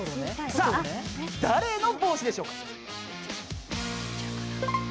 さあ、誰の帽子でしょうか。